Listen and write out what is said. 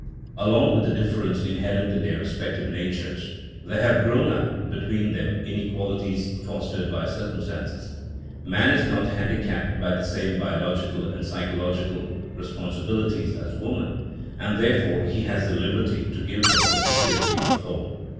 Along with the difference inherent in their respective natures, there have grown up between them inequalities fostered by circumstances. Man is not handicapped by the same biological and psychological responsibilities as woman, and therefore he has the liberty to give her the security of home.